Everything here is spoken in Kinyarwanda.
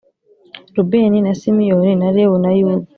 Rubeni na Simiyoni na Lewi na Yuda